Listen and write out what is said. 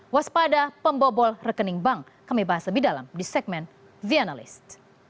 waspada pembobol rekening bank kami bahas lebih dalam di segmen the analyst